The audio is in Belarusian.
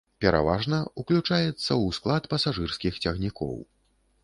Пераважна, уключаецца ў склад пасажырскіх цягнікоў.